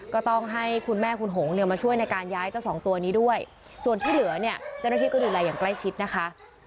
ก็ต้องให้คุณแม่คุณหงเนี่ยมาช่วยในการย้ายเจ้าสองตัวนี้ด้วยส่วนที่เหลือเนี่ยเจ้าหน้าที่ก็ดูแลอย่างใกล้ชิดนะคะ